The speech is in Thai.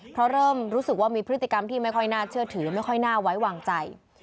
เพราะเริ่มรู้สึกว่ามีพฤติกรรมที่ไม่ค่อยน่าเชื่อถือไม่ค่อยน่าไว้วางใจ